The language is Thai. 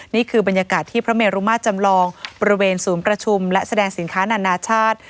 นี่คือบรรยากาศที่พระเมรุมาตรจำลองบริเวณศูนย์ประชุมและแสดงสินค้านานาชาติ